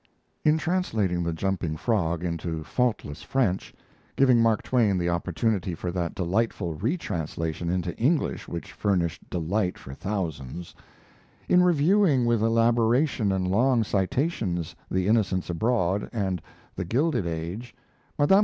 In translating 'The Jumping Frog' into faultless French (giving Mark Twain the opportunity for that delightful retranslation into English which furnished delight for thousands), in reviewing with elaboration and long citations 'The Innocents Abroad' and 'The Gilded Age', Mme.